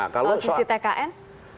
kalau sisi tkn